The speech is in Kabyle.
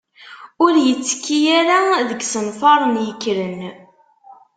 Ur yettekki ara deg yisenfaṛen yekkren.